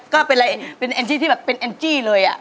ก็เป็นแอนจี้ที่เป็นแอนจี้เลยอะ